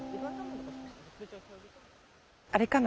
あれかな？